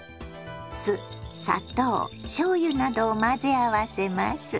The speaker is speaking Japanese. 酢砂糖しょうゆなどを混ぜ合わせます。